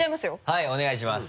はいお願いします。